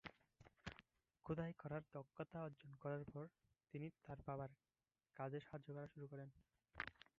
খোদাই করার দক্ষতা অর্জন করার পর তিন তাঁর বাবার কাজে সাহায্য করা শুরু করেন।